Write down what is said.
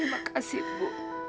terima kasih bu